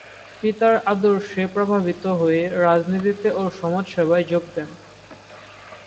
পিতার আদর্শে প্রভাবিত হয়ে রাজনীতিতে ও সমাজসেবায় যোগ দেন।